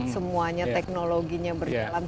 semuanya teknologinya berjalan